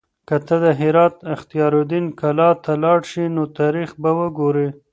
که ته د هرات اختیار الدین کلا ته لاړ شې نو تاریخ به وګورې.